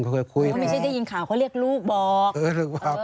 เขาเคยมีชื่นได้ยินข่าวเขาเรียกลูกบอกเออลูกบอกเออ